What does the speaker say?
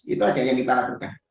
itu aja yang kita lakukan